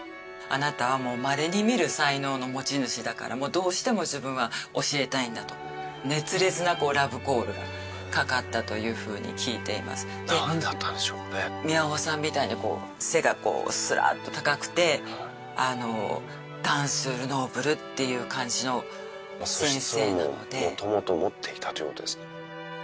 あなたはまれに見る才能の持ち主だからどうしても自分は教えたいんだと熱烈なラブコールがかかったというふうに聞いています何だったんでしょうね宮尾さんみたいに背がすらっと高くてダンスール・ノーブルっていう感じの先生なので素質を元々持っていたということですね